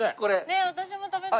私も食べたい。